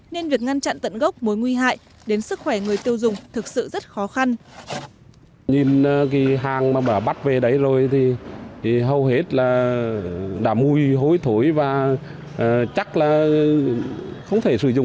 nên việc ngăn chặn tận gốc mối nguy hại đến sức khỏe người tiêu dùng thực sự rất khó khăn